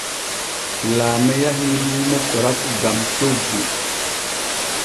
Laame yahii luumo koraku gam coggu.